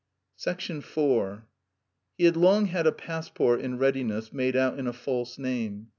IV He had long had a passport in readiness made out in a false name.